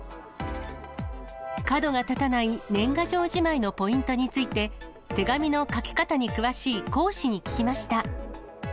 角が立たない年賀状じまいのポイントについて、手紙の書き方に詳しい講師に聞きました。